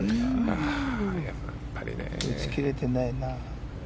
打ち切れてないな。